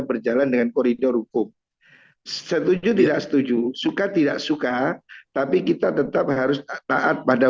berjalan dengan koridor hukum setuju tidak setuju suka tidak suka tapi kita tetap harus taat pada